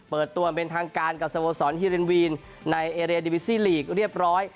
เปิดตัวเป็นทางการกับสโมสรฮีรินวีนในเอเรียดิวิซี่ลีกเรียบร้อย